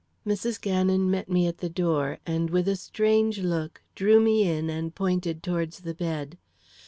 Mrs. Gannon met me at the door, and with a strange look, drew me in and pointed towards the bed.